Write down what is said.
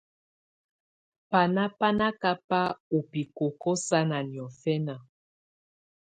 Banà bá nà kaka ù bikoko sana niɔ̀fɛ̀na.